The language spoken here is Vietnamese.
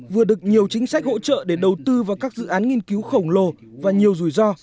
vừa được nhiều chính sách hỗ trợ để đầu tư vào các dự án nghiên cứu khổng lồ và nhiều rủi ro